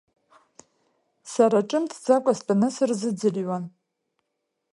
Сара ҿымҭӡакәа стәаны сырзыӡырҩуан.